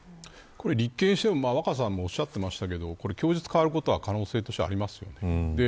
立件しても若狭さんも言ってましたけど供述が変わることは可能性としてありますよね。